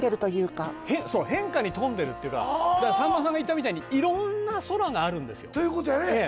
そう変化に富んでるっていうかだからさんまさんが言ったみたいにいろんな空があるんですよということやね